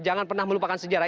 jangan pernah melupakan sejarah